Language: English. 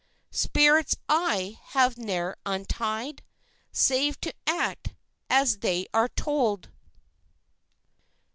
Spirits I have ne'er untied Save to act as they are told.'"